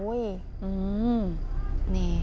อืมนี่